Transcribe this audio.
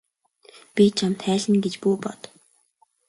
Би чамд хайлна гэж бүү бод.